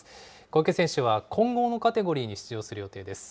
小池選手は、混合のカテゴリーに出場する予定です。